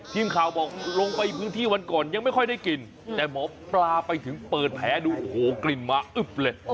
ทีมข่าวบอกลงไปพื้นที่วันก่อนยังไม่ค่อยได้กลิ่นแต่หมอปลาไปถึงเปิดแผลดูโอ้โหกลิ่นมาอึ๊บเลย